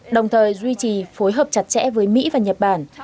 đồng thời duy trì phối hợp chặt chẽ với mỹ và nhật bản